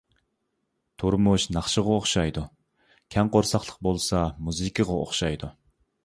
تۇرمۇش ناخشىغا ئوخشايدۇ، كەڭ قورساقلىق بولسا مۇزىكىغا ئوخشايدۇ.